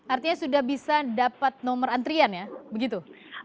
artinya sudah bisa dapat nomor antrian ya begitu